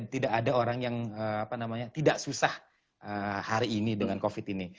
tidak ada orang yang tidak susah hari ini dengan covid ini